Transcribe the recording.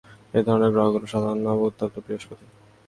এ ধরনের গ্রহগুলোর সাধারণ নাম উত্তপ্ত বৃহস্পতি।